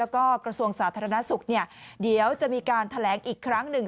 กระทรวงสาธารณสุขเนี่ยเดี๋ยวจะมีการแถลงอีกครั้งหนึ่ง